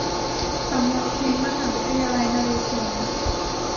สำนักพิมพ์มหาวิทยาลัยนเรศวร